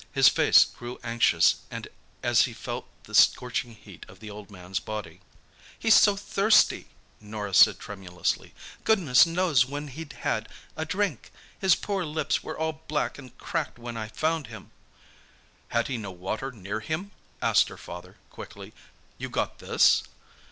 His face grew anxious as he felt the scorching heat of the old man's body. "He's so thirsty," Norah said tremulously, "goodness knows when he'd had a drink. His poor lips were all black and cracked when I found him." "Had he no water near him?" asked her father, quickly. "You got this?"